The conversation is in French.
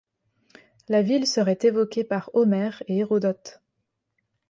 La ville serait évoquée par Homère et Hérodote.